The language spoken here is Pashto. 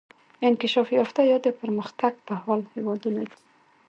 انکشاف یافته یا د پرمختګ په حال هیوادونه دي.